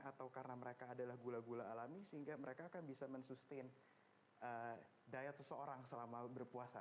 atau karena mereka adalah gula gula alami sehingga mereka akan bisa mensustain daya seseorang selama berpuasa